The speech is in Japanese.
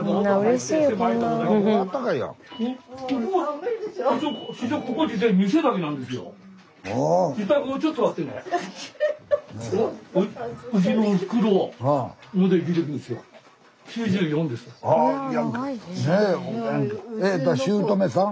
しゅうとめさん？